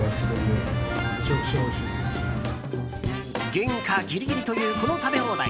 原価ギリギリというこの食べ放題。